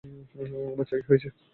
বাচ্চার কি হইছে?